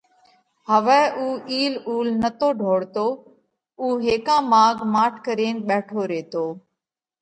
هوَئہ اُو اِيل اُول نتو ڍوڙتو اُو هيڪا ماڳ ماٺ ڪرينَ ٻيٺو ريتو۔